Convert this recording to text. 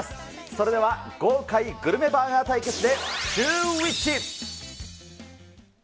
それでは豪快グルメバーガー対決でシューＷｈｉｃｈ。